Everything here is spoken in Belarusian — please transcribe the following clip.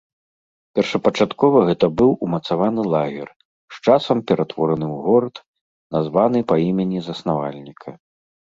Першапачаткова гэта быў умацаваны лагер, з часам пераўтвораны ў горад, названы па імені заснавальніка.